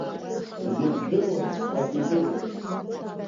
Зегь здыруаз, акы идыруаз…